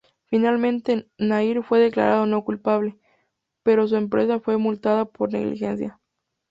Finalmente, Nairn fue declarado no culpable, pero su empresa fue multada por negligencia.